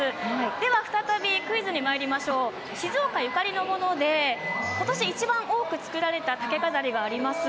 では、再びクイズにまいりましょう静岡ゆかりのもので今年一番多く作られた竹飾りがあります。